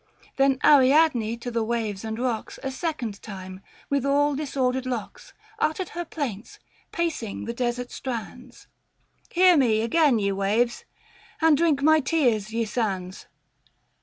Then Ariadne, to the waves and rocks, A second time, with all disordered locks, 510 Uttered her plaints, pacing the desert strands :—" Hear me, again, ye waves, and drink my tears, ye sands